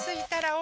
「お」？